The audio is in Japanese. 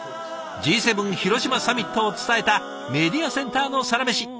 Ｇ７広島サミットを伝えたメディアセンターのサラメシ。